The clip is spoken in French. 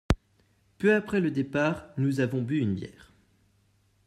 Peu après le départ, nous avons bu une bière.